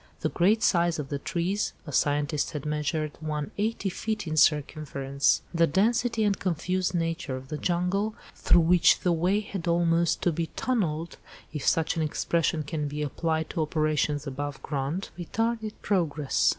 The great size of the trees (a scientist had measured one eighty feet in circumference), the density and confused nature of the jungle, through which the way had almost to be tunnelled, if such an expression can be applied to operations above ground, retarded progress.